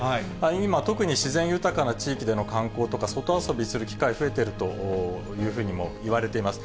今、特に自然豊かな地域での観光とか、外遊びする機械、増えているというふうにもいわれています。